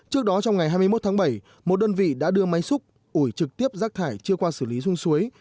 trước đó trong ngày hai mươi một tháng bảy một đơn vị đã đưa máy xúc ủi trực tiếp rác thải chưa qua xử lý dung suối